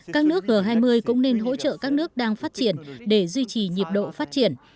các nước g hai mươi cũng nên hỗ trợ các nước đang phát triển để duy trì nhịp độ phát triển